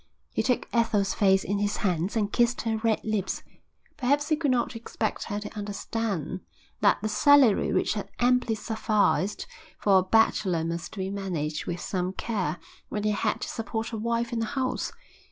He took Ethel's face in his hands and kissed her red lips. Perhaps he could not expect her to understand that the salary which had amply sufficed for a bachelor must be managed with some care when it had to support a wife and a house.